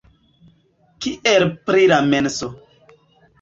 Kiel pri la menso?